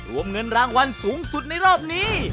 รวมเงินรางวัลสูงสุดในรอบนี้